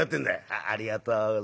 「ありがとうございます。